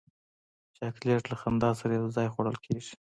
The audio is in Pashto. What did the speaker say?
چاکلېټ له خندا سره یو ځای خوړل کېږي.